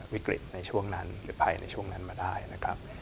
วิกฤตในช่วงนั้นหรือไปในช่วงนั้นมาได้นะครับ